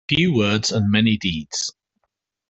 Few words and many deeds.